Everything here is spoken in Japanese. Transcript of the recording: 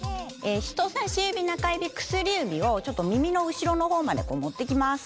人さし指中指薬指をちょっと耳の後ろのほうまで持って来ます。